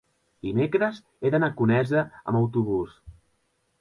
dimecres he d'anar a Conesa amb autobús.